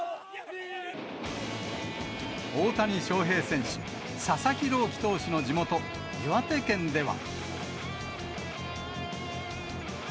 大谷翔平選手、佐々木朗希投手の地元、岩手県では。